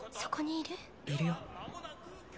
いるよ